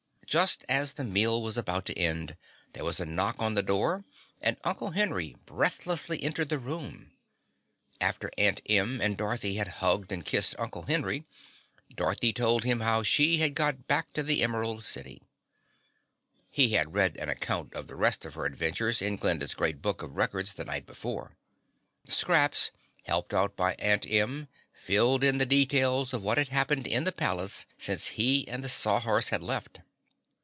Just as the meal was about to end, there was a knock on the door and Uncle Henry breathlessly entered the room. After Aunt Em and Dorothy had hugged and kissed Uncle Henry, Dorothy told him how she had got back to the Emerald City. (He had read an account of the rest of her adventures in Glinda's Great Book of Records the night before.) Scraps, helped out by Aunt Em, filled in the details of what had happened in the Palace since he and the Sawhorse had left.